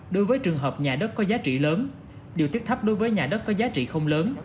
đối với trường hợp nhà đất có giá trị lớn điều tiết thấp đối với nhà đất có giá trị không lớn